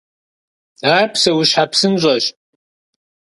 Ар псэущхьэ псынщӏэщ.